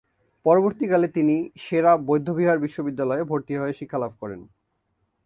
পরবর্তীকালে তিনি সে-রা বৌদ্ধবিহার বিশ্ববিদ্যালয়ে ভর্তি হয়ে শিক্ষালাভ করেন।